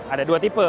ada dua tipe